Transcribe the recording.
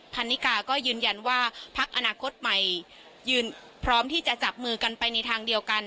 พันนิกาก็ยืนยันว่าพักอนาคตใหม่ยืนพร้อมที่จะจับมือกันไปในทางเดียวกัน